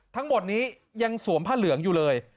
ทั้งหมดนี้ยังสวมผ้าเหลืองอยู่เลย